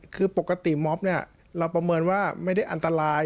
คือปกติม็อบเนี่ยเราประเมินว่าไม่ได้อันตราย